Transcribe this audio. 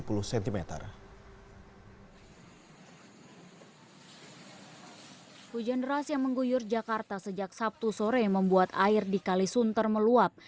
hujan deras yang mengguyur jakarta sejak sabtu sore membuat air di kalisunter meluap